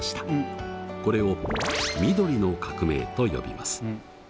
これを緑の革命と呼びます。